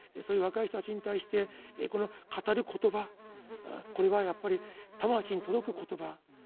そういう若い人たちに対してこの語る言葉これはやっぱり魂に届く言葉